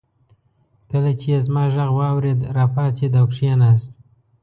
کله چې يې زما غږ واورېد راپاڅېد او کېناست.